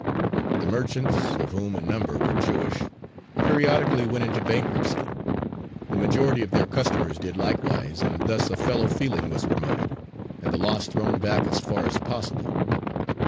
The merchants, of whom a number were Jewish, periodically went into bankruptcy; the majority of their customers did likewise, and thus a fellow feeling was promoted, and the loss thrown back as far as possible.